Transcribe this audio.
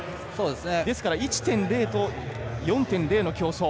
ですから１．０と４．０の競争。